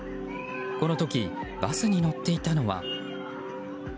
この時、バスに乗っていたのは。